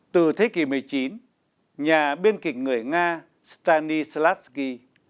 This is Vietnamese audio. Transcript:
từ thế kỷ một mươi chín nhà biên kịch người nga stanislavsky